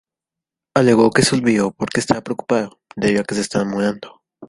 Alegó que se olvidó porque estaba preocupado, debido a que se estaba mudando.